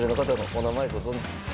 お名前ご存じですか？